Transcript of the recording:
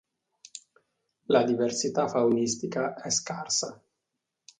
La diversità faunistica è scarsa.